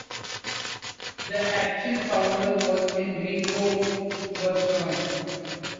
The actual founder was Enrico Verson.